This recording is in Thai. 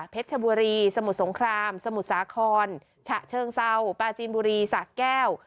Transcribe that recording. เพชรบุรีสมุดสงครามสมุดสาขรฉะเชิงเศร้าปลาจีนบุรีสะแก้ว